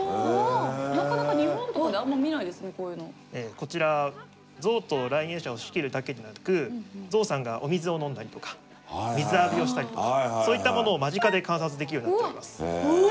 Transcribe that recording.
こちらゾウと来園者を仕切るだけでなくゾウさんがお水を飲んだりとか水浴びをしたりとかそういったものを間近で観察できるようになっております。